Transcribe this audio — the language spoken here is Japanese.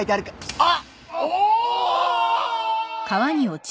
あっ。